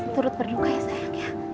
turut berduka ya sayang